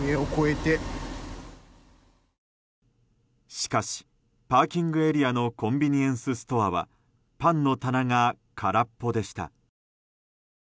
しかし、パーキングエリアのコンビニエンスストアはパンの棚が空っぽでした。